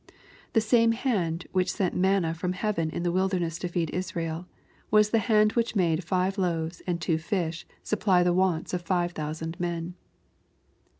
The same hand which sent manna from heaven in the wilderness to feed Israel, was the hand which made five loaves and two fishes supply the wants of five thousand men.